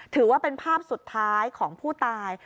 ถือว่าเป็นภาพสุดท้ายของผู้ตาย